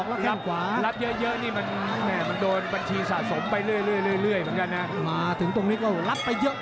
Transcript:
แต่ว่าจังหวะอรัวมัติขู่ลุ่นน้องมุมแดงที่เห็นแล้วครับสอนหน้านี้นี่อรัวมัติเป็นประทัดจุดจีนเลยนะพี่ชัยนะ